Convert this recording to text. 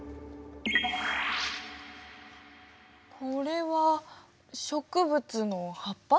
これは植物の葉っぱ？